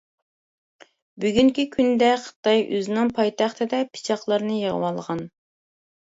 بۈگۈنكى كۈندە خىتاي ئۆزىنىڭ پايتەختىدە پىچاقلارنى يىغىۋالغان.